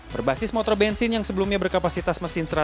berbasis motor bensin yang sebelumnya berkapasitas mesin